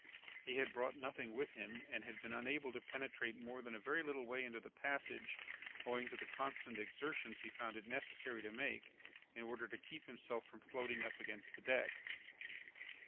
He had brought nothing with him, and had been unable to penetrate more than a very little way into the passage, owing to the constant exertions he found it necessary to make in order to keep himself from floating up against the deck.